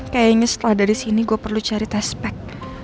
kayaknya setelah dari sini gue perlu cari tespek